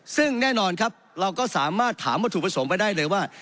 ซึ่งแน่นอนครับเราก็สามารถถามวัตถุประสงค์ไปได้เลยว่า